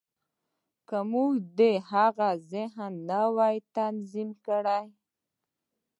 که موږ د هغه ذهن نه وای تنظيم کړی.